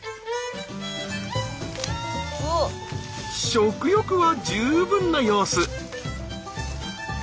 食欲は十分な様子。